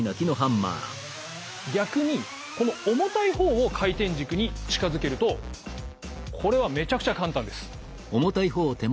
逆にこの重たい方を回転軸に近づけるとこれはめちゃくちゃ簡単です。